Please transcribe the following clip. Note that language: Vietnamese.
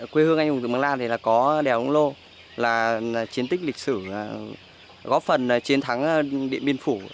quê hương anh hùng thượng bằng la có đèo lũng lô là chiến tích lịch sử góp phần chiến thắng điện biên phủ